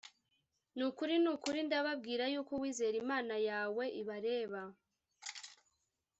Ni ukuri ni ukuri ndababwira yuko uwizera imana yawe ibareba